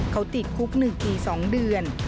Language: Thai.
เขาติดคุก๑ปี๒เดือน